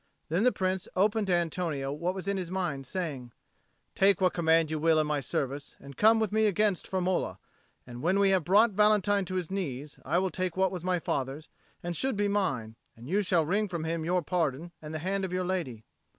Then the Prince opened to Antonio what was in his mind, saying, "Take what command you will in my service, and come with me against Firmola; and when we have brought Valentine to his knees, I will take what was my father's, and should be mine: and you shall wring from him your pardon and the hand of your lady."